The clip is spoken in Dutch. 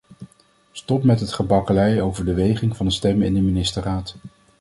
Stop met het gebakkelei over de weging van de stemmen in de ministerraad.